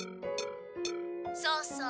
「そうそう。